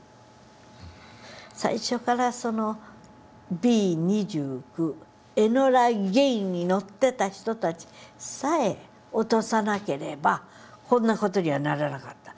最初からＢ２９エノラ・ゲイに乗ってた人たちさえ落とさなければこんな事にはならなかった。